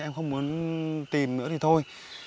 em không muốn tìm nữa thì thôi